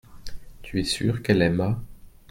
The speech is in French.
Tu es sûr qu’elle aima.